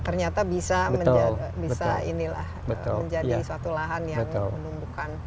ternyata bisa inilah menjadi suatu lahan yang menumbuhkan